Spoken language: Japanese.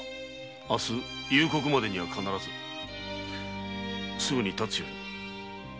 明日夕刻までには必ずすぐに発つように。